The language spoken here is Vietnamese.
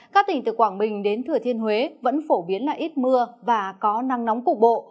các tỉnh từ quảng bình đến thừa thiên huế vẫn phổ biến là ít mưa và có nắng nóng cục bộ